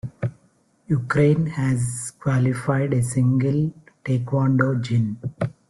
Ukraine has qualified a single taekwondo jin.